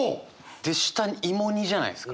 で下「芋煮」じゃないですか。